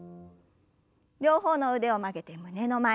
両方の腕を曲げて胸の前に。